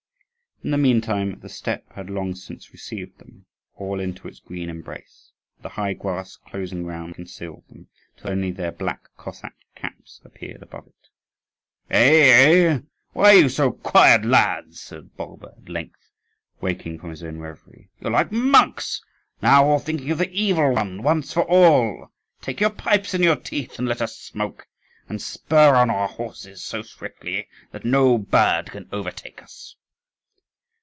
In the meantime the steppe had long since received them all into its green embrace; and the high grass, closing round, concealed them, till only their black Cossack caps appeared above it. "Eh, eh, why are you so quiet, lads?" said Bulba at length, waking from his own reverie. "You're like monks. Now, all thinking to the Evil One, once for all! Take your pipes in your teeth, and let us smoke, and spur on our horses so swiftly that no bird can overtake us."